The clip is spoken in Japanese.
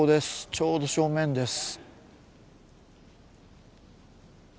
ちょうど正面です。